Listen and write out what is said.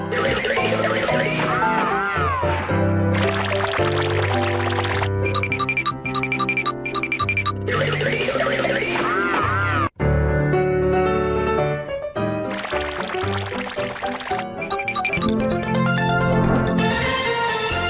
สวัสดีครับ